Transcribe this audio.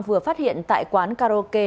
vừa phát hiện tại quán karaoke